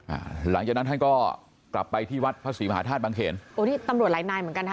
อ่าหลังจากนั้นท่านก็กลับไปที่วัดพระศรีมหาธาตุบังเขนโอ้นี่ตำรวจหลายนายเหมือนกันค่ะ